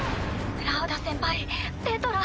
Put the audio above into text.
ラウダ先輩ペトラ